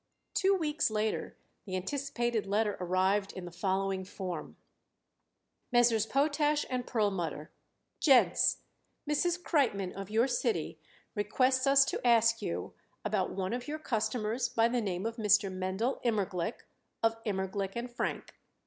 Two weeks later the anticipated letter arrived in the following form: MESSRS. POTASH & PERLMUTTER. Gents: Mrs. Kreitmann of your city requests us to ask you about one of your customers by the name of Mr. Mendel Immerglick, of Immerglick & Frank.